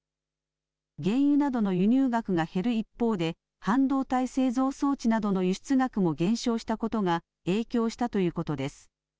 原油などの輸入額が減る一方で半導体製造装置などの輸出額も減少したことが影響したということです。